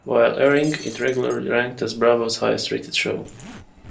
While airing, it regularly ranked as Bravo's highest rated show.